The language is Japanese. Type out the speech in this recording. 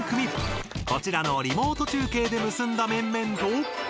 こちらのリモート中継で結んだ面々と。